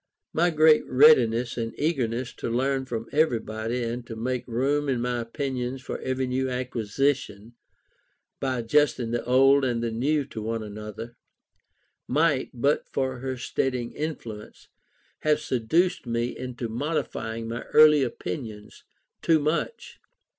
My great readiness and eagerness to learn from everybody, and to make room in my opinions for every new acquisition by adjusting the old and the new to one another, might, but for her steadying influence, have seduced me into modifying my early opinions too much.